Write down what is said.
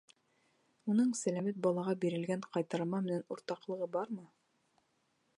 Уның сәләмәт балаға бирелгән ҡайтарма менән уртаҡлығы бармы?